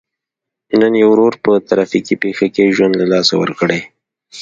نن یې ورور په ترافیکي پېښه کې ژوند له لاسه ورکړی.